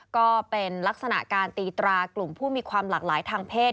ก็เป็นลักษณะการตีตรากลุ่มผู้มีความหลากหลายทางเพศ